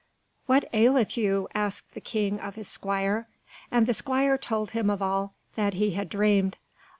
"What aileth you?" asked the King of his squire, and the squire told him of all that he had dreamed.